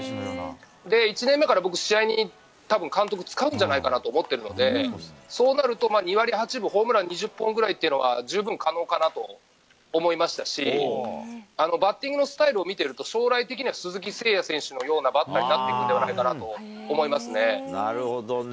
１年目から僕、試合にたぶん監督、使うんじゃないかなと思ってるので、そうなると、２割８分、ホームラン２０本ぐらいっていうのは十分可能かなと思いましたし、バッティングのスタイルを見てると、将来的には鈴木誠也選手のようなバッターになっていくんじゃないなるほどね。